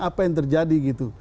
apa yang terjadi gitu